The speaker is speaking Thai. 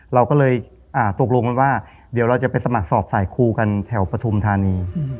เราก็เลยตกลงกันว่าเดี๋ยวเราจะไปสมัครสอบสายครูกันแถวปฐุมธานี